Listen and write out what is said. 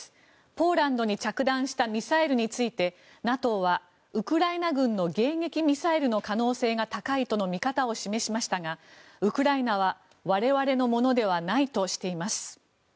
ポーランドに着弾したミサイルについてＮＡＴＯはウクライナ軍の迎撃ミサイルの可能性が高いとの見方を示しましたがウクライナは我々のものではないとしています。